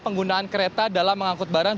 penggunaan kereta dalam mengangkut barang